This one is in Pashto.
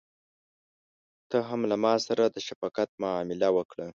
ته هم له ماسره د شفقت معامله وکړه.